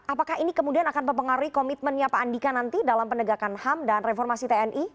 apakah ini kemudian akan mempengaruhi komitmennya pak andika nanti dalam penegakan ham dan reformasi tni